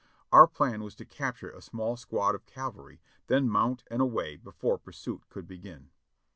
Our plan was to capture a small squad of cavalry, then mount and away before pursuit could begin.